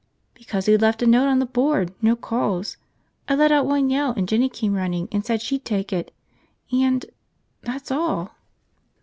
"Because you'd left a note on the board, no calls. I let out one yell and Jinny came running and said she'd take it. And – that's all."